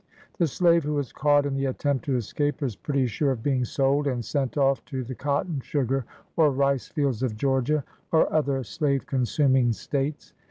The slave who is caught in the attempt to escape is pretty sure of being sold and sent off to the cotton, sugar, or rice fields of Georgia, or other slave consuming States.